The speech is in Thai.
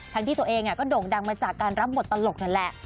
ทั้งที่ตัวเองได้โด่งดังมาจากการรับหมดตลกนั้นแหละ